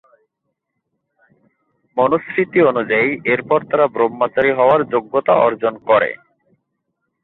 মনুস্মৃতি অনুযায়ী, এরপর তারা ব্রহ্মচারী হওয়ার যোগ্যতা অর্জন করে।